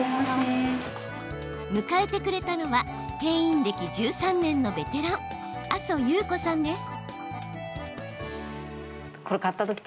迎えてくれたのは店員歴１３年のベテラン阿曽祐子さんです。